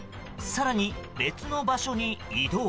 更に、別の場所に移動。